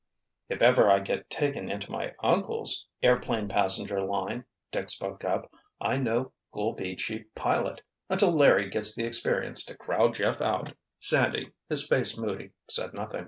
"If ever I get taken into my uncle's airplane passenger line," Dick spoke up, "I know who'll be Chief Pilot—until Larry gets the experience to crowd Jeff out." Sandy, his face moody, said nothing.